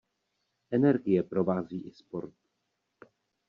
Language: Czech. Energie provází i sport.